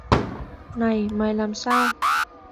Này mày làm sao